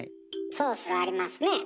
ソースはありますねえ。